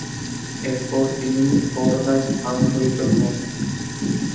এরপর তিনি বরোদায় স্থানান্তরিত হন।